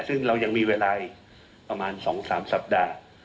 ซึ่งเรายังมีเวลาอีกประมาณ๒๓สัปดาห์